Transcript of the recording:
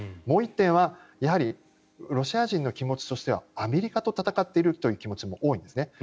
もう１点はやはりロシア人の気持ちとしてはアメリカと戦っているという気持ちも多いんです。